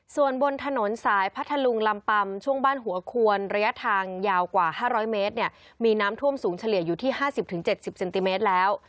ส่วนบนถนนสายพัทธลุงลำปัมช่วงบ้านหัวควรระยะทางยาวกว่า๕๐๐เมตรเนี่ยมีน้ำท่วมสูงเฉลี่ยอยู่ที่๕๐๗๐เซนติเมตรแล้ว